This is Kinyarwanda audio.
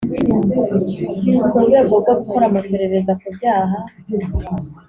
Mu rwego rwo gukora amaperereza ku byaha